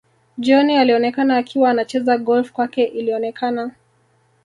Jioni alionekana akiwa anacheza golf kwake ilionekana